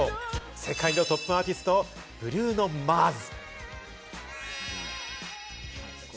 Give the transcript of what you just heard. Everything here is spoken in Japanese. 世界のトップアーティスト、ブルーノ・マーズ。